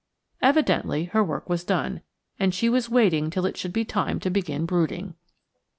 Evidently her work was done, and she was waiting till it should be time to begin brooding.